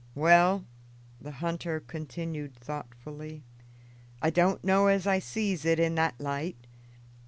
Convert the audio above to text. "Well," the hunter continued thoughtfully, "I don't know as I sees it in that light.